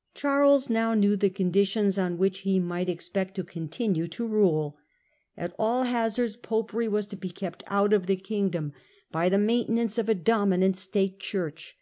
* Charles now knew the conditions on which he might expect co continue to rule. At all hazards Popery was to be kept out of the kingdom, by the maintenance of a dominant State Church.